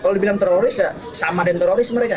kalau dibilang teroris ya sama dengan teroris mereka